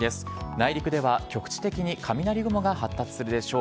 内陸では局地的に雷雲が発達するでしょう。